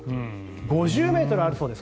５０ｍあるそうです。